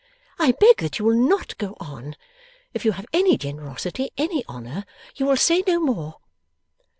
I beg that you will NOT go on. If you have any generosity, any honour, you will say no more.